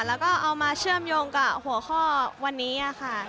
แล้วก็เอามาเชื่อมโยงกับหัวข้อวันนี้ค่ะ